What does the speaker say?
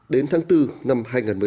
đến tháng bốn năm hai nghìn một mươi bảy